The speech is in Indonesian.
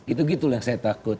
itu gitu yang saya takut